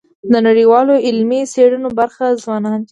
د نړیوالو علمي څېړنو برخه ځوانان دي.